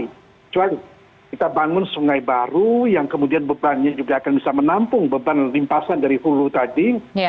kecuali kita bangun sungai baru yang kemudian bebannya juga akan bisa menampung beban limpasan dari hulu tadi